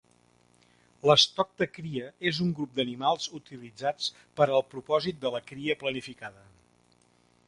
L'estoc de cria és un grup d'animals utilitzats per al propòsit de la cria planificada.